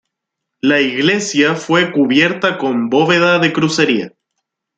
La iglesia fue cubierta con bóveda de crucería.